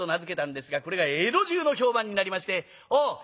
これが江戸中の評判になりまして。